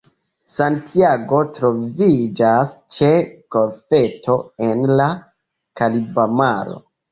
Santiago troviĝas ĉe golfeto en la Kariba Maro.